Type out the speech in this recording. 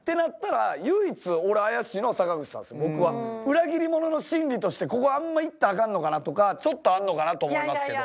裏切り者の心理としてここあんま行ったらアカンのかなとかちょっとあんのかなと思いますけど。